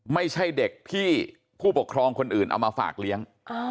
ไม่ใช่เด็กพี่ผู้ปกครองคนอื่นเอามาฝากเลี้ยง